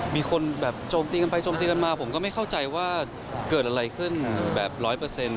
มีคนแบบโจมตีกันไปโจมตีกันมาผมก็ไม่เข้าใจว่าเกิดอะไรขึ้นแบบร้อยเปอร์เซ็นต